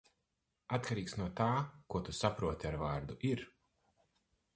Atkarīgs no tā, ko tu saproti ar vārdu "ir".